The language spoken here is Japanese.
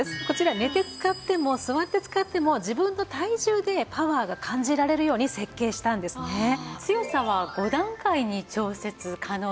こちら寝て使っても座って使っても自分の体重でパワーが感じられるように設計したんですね。